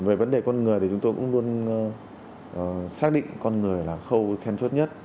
về vấn đề con người thì chúng tôi cũng luôn xác định con người là khâu then chốt nhất